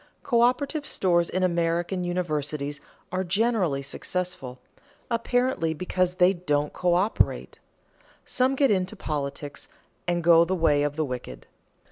Coöperative stores in American universities are generally successful, apparently because they don't coöperate. Some get into politics and go the way of the wicked.